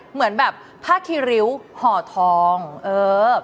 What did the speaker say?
เหมือนแบบผ้าคีริ้วห่อทองเออ